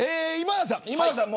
今田さん